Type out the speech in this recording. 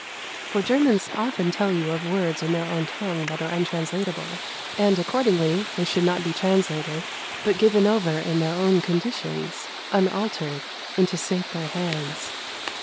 For Germans often tell you of words in their own tongue that are untranslatable; and accordingly they should not be translated, but given over in their own conditions, unaltered, into safer hands.